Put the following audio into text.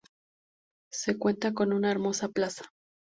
Se cuenta con una hermosa plaza.